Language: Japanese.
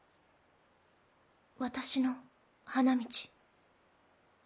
私の花道。